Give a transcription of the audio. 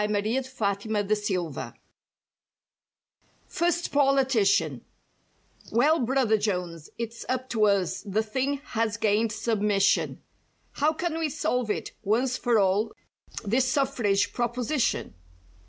HI THE SUFFRAGE CAUSE (FIRST POLITICIAN) "Well, Brother Jones, it's up to us, the thing has gained submission; "How can we solve it, once for all, this Suffrage proposition